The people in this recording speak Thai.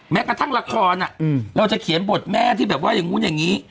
แม้กระทั่งละครเราจะเขียนบทแม่ที่แบบว่าอย่างนู้นอย่างนี้